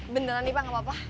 beneran nih pak gak apa apa